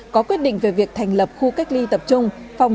chứ mình viết thông tin cách ly trước